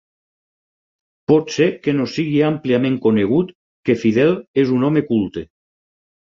Pot ser que no sigui àmpliament conegut que Fidel és un home culte.